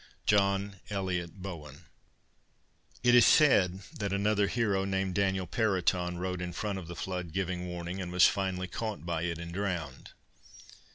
JOHN ELIOT BOWEN. It is said that another hero named Daniel Periton rode in front of the flood giving warning, and was finally caught by it and drowned.